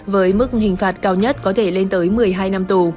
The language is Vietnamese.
với mức hình phạt cao nhất có thể lên tới một mươi hai năm tù